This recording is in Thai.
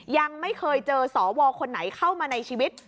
ยังไม่เคยเจอสวคนไหนเข้ามาในชีวิต